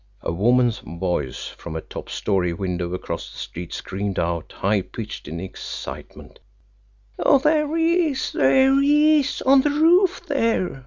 A woman's voice, from a top story window across the street, screamed out, high pitched in excitement: "There he is! There he is! On the roof there!"